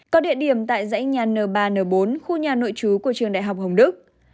có địa điểm tại dãy nhà n ba n bốn khu nhà nội trú của trường đại học hồng đức